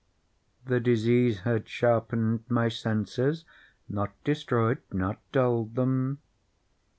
The disease had sharpened my senses—not destroyed—not dulled them.